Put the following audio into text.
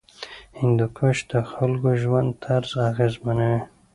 هندوکش د خلکو ژوند طرز اغېزمنوي.